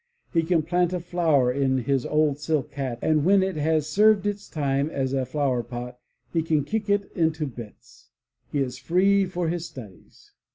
He can plant a flower in his old silk hat, and when it has served its time as a flowerpot he can kick it into bits! He is free for his studies!